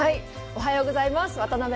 おはようございます。